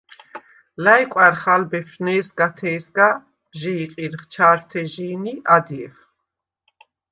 ლა̈ჲკვა̈რხ ალ ბეფშვ ნე̄სგათე̄სგა, ჟი იყირხ ჩაჟვთეჟი̄ნ ი ადჲეხ.